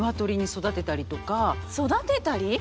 育てたり？